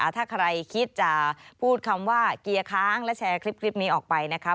ถ้าใครคิดจะพูดคำว่าเกียร์ค้างและแชร์คลิปนี้ออกไปนะคะ